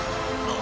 あ！